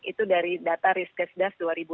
itu dari data risk sda